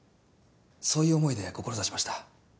そういう思いで志しました。